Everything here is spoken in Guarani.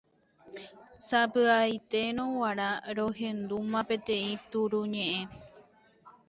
Sapy'aitérõ g̃uarã rohendúma peteĩ turuñe'ẽ.